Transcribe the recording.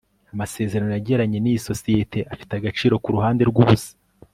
Amasezerano yagiranye niyi sosiyete afite agaciro kuruhande rwubusa